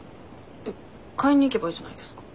買いに行けばいいじゃないですか。